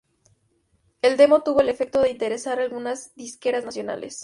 El demo tuvo el efecto de interesar a algunas disqueras nacionales.